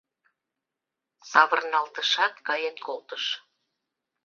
Савырналтышат, каен колтыш.